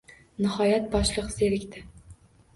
Nihoyat boshliq zerikdi.